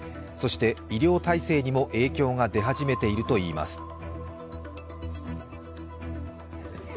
そして医療体制にも影響が出始めているといいます。